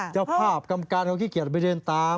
เจ้าภาพกรรมการเขาขี้เกียจไปเดินตาม